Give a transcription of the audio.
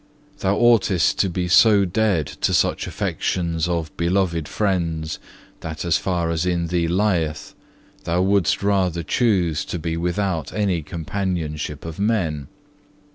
Thou oughtest to be so dead to such affections of beloved friends, that as far as in thee lieth, thou wouldst rather choose to be without any companionship of men.